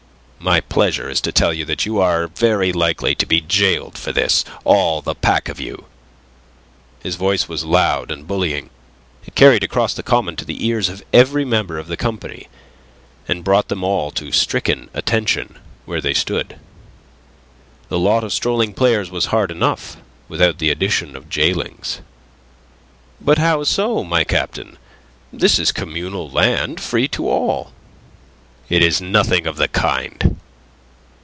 "My pleasure is to tell you that you are very likely to be gaoled for this, all the pack of you." His voice was loud and bullying. It carried across the common to the ears of every member of the company, and brought them all to stricken attention where they stood. The lot of strolling players was hard enough without the addition of gaolings. "But how so, my captain? This is communal land free to all." "It is nothing of the kind."